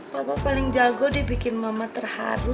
mama paling jago dibikin mama terharu